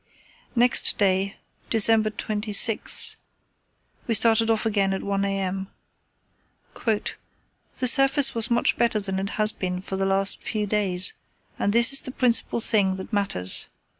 Next day, December 26, we started off again at 1 a.m. "The surface was much better than it has been for the last few days, and this is the principal thing that matters.